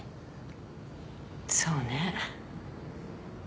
そうね。